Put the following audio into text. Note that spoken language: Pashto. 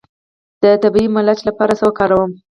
د طبیعي ملچ لپاره څه وکاروم؟